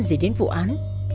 gì đến vụ án